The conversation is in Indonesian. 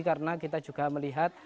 karena kita juga melihat